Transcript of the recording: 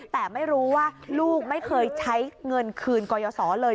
แต่ไม่รู้ว่าลูกไม่เคยใช้เงินคืนกรยศรเลย